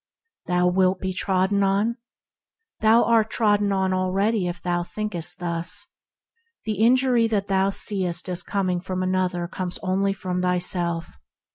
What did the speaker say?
Thou wilt be trodden on ? Thou art trodden on already if thou thinkest thus. The injury that thou seest as coming from another comes only from thyself.